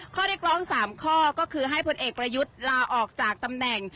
ข้อเรียกร้อง๓ข้อก็คือให้ผลเอกประยุทธ์ลาออกจากตำแหน่ง